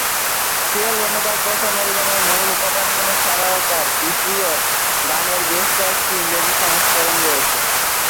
সেই অ্যালবামে তার প্রথম অ্যালবামে মূল উপাদানগুলো ছাড়াও তার ইব্রীয় গানের বেশ কয়েকটি ইংরেজি সংস্করণ রয়েছে।